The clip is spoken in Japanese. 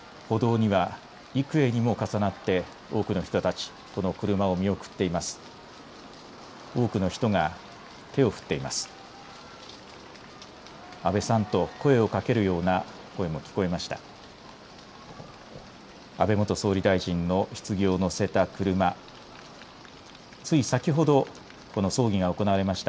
歩道には幾重にも重なって多くの人たち、この車を見送っています。